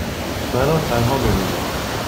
من را تنها بگذار.